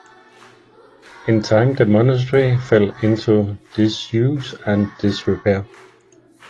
In time the monastery fell into disuse and disrepair.